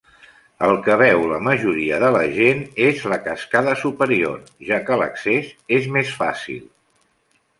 El que veu la majoria de la gent és la cascada superior, ja que l'accés és més fàcil.